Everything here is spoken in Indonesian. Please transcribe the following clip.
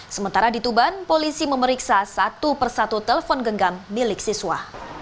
sementara di tuban polisi memeriksa satu persatu telpon genggam milik siswa